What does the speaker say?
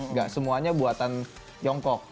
tidak semuanya buatan tiongkok